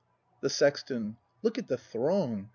The Sexton. Look at the throng.